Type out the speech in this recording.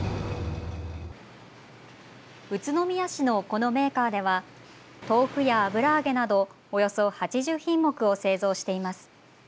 宇都宮市のこのメーカーでは豆腐や油揚げなどおよそ８０品目を製造しています。